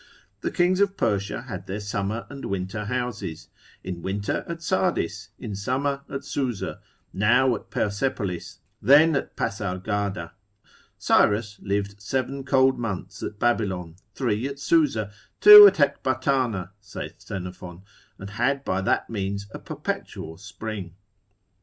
The kings of Persia had their summer and winter houses; in winter at Sardis, in summer at Susa; now at Persepolis, then at Pasargada. Cyrus lived seven cold months at Babylon, three at Susa, two at Ecbatana, saith Xenophon, and had by that means a perpetual spring.